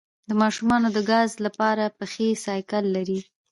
د ماشوم د ګاز لپاره پښې سایکل کړئ